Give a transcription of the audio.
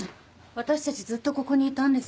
私たちずっとここにいたんです。